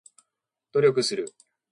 努力する